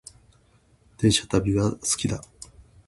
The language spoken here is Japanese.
電車の旅が好きだ